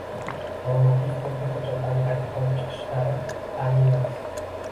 normativ-huquqiy hujjatlarini qayta ko‘rib chiqishlari ta'minlansin.